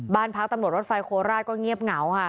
บ้านพักตำรวจรถไฟโคราชก็เงียบเหงาค่ะ